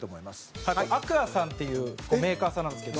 松橋：アクアさんっていうメーカーさんなんですけど。